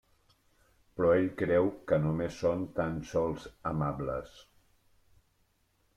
Però ell creu que només són tan sols amables.